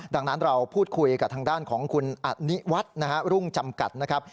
ดังนั้นเราพูดคุยกับทางด้านของคุณอนิวัฒน์นะฮะรุ่งจำกัดนะครับ